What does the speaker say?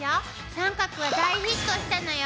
三角は大ヒットしたのよ